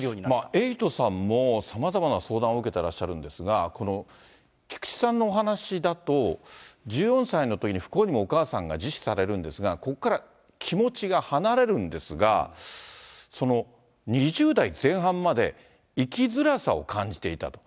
エイトさんも、さまざまな相談を受けてらっしゃるんですが、菊池さんのお話だと、１４歳のときに不幸にもお母さんが自死されるんですが、ここから気持ちが離れるんですが、その２０代前半まで生きづらさを感じていたと。